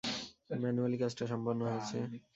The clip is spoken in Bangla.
ম্যানুয়ালি কাজটা সম্পন্ন হয়েছে!